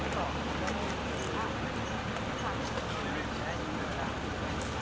ชื่อว่าแพทย์เธออยู่บนแบบนี้